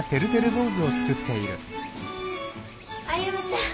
歩ちゃん！